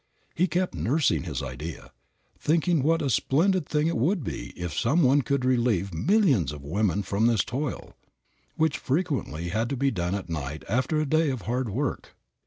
He kept nursing his idea, thinking what a splendid thing it would be if some one could relieve millions of women from this toil, which frequently had to be done at night after a day of hard work.